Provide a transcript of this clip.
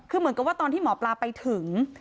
คือเหมือนกับว่าตอนที่หมอปลาไปถึง